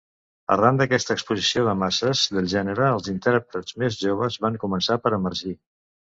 Arran d'aquesta exposició de masses del gènere, els intèrprets més joves van començar per emergir.